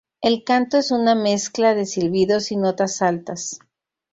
El canto es una mezcla de silbidos y notas altas.